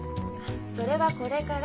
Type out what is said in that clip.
それはこれから。